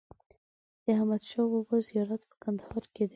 د احمد شا بابا زیارت په کندهار کی دی